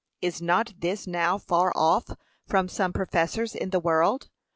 Is not this now far off from some professors in the world?